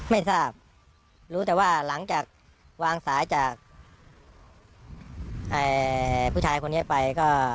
ไม่ทราบรู้แต่ว่าหลังจากวางสายจากผู้ชายคนนี้ไปก็